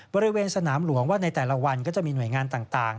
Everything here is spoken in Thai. บริเวณสนามหลวงว่าในแต่ละวันก็จะมีหน่วยงานต่าง